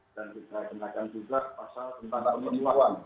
dan kita kenalkan juga pasal tentang penyelam